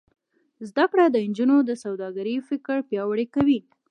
زده کړه د نجونو د سوداګرۍ فکر پیاوړی کوي.